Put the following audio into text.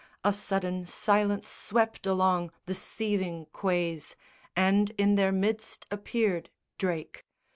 A sudden silence swept along The seething quays, and in their midst appeared Drake.